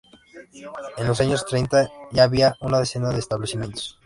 En los años treinta ya había una decena de establecimientos.